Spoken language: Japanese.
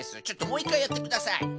ちょっともういっかいやってください。